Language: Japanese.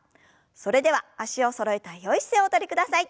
それでは脚をそろえたよい姿勢をおとりください。